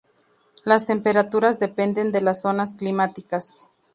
Las temperaturas dependen de las zonas climáticas.